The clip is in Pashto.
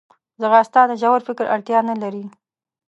ځغاسته د ژور فکر اړتیا نه لري